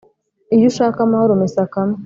Iyo ushaka amahoro umesa kamwe